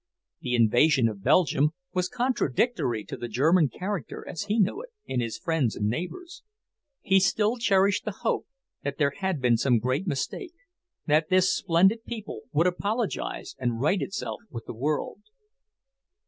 The invasion of Belgium was contradictory to the German character as he knew it in his friends and neighbours. He still cherished the hope that there had been some great mistake; that this splendid people would apologize and right itself with the world.